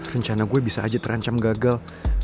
rencana gue bisa aja terancam gagal